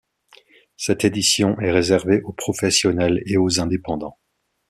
Cette édition est réservée aux professionnels et aux indépendants.